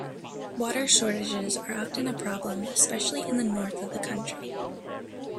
Water shortages are often a problem, especially in the north of the country.